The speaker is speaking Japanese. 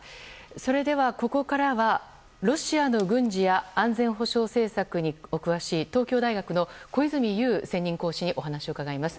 それではここからはロシアの軍事や安全保障政策に詳しい東京大学の小泉悠専任講師にお話を伺います。